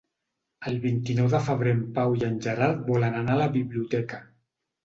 El vint-i-nou de febrer en Pau i en Gerard volen anar a la biblioteca.